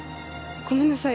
ごめんなさい。